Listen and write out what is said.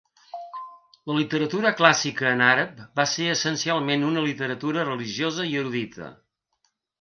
La literatura clàssica en àrab va ser essencialment una literatura religiosa i erudita.